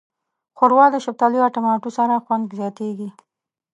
ښوروا د شفتالو یا ټماټو سره خوند زیاتیږي.